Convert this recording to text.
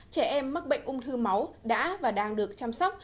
trẻ em mắc bệnh ung thư máu đã và đang được chăm sóc